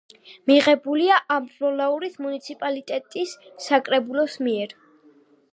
მიღებულია ამბროლაურის მუნიციპალიტეტის საკრებულოს მიერ.